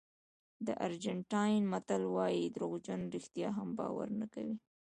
د ارجنټاین متل وایي دروغجن رښتیا هم باور نه کوي.